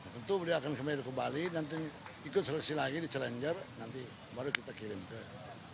tentu beliau akan kembali ke bali nanti ikut seleksi lagi di challenger nanti baru kita kirim ke